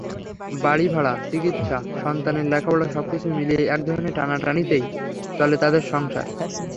বাড়িভাড়া, চিকিৎসা, সন্তানদের লেখাপড়া সবকিছু মিলিয়ে একধরনের টানাটানিতেই চলে তাঁদের সংসার।